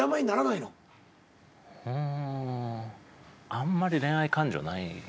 あんまり恋愛感情ない。